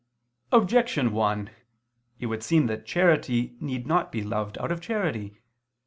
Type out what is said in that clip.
Objection 1: It would seem that charity need not be loved out of charity.